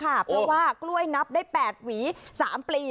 เพราะว่ากล้วยนับได้๘หวี๓ปลี